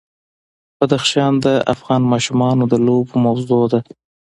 بدخشان د افغان ماشومانو د لوبو موضوع ده.